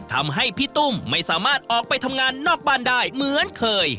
ทำให้พี่ตุ้มไม่สามารถออกไปทำงานนอกบ้านได้เหมือนเคย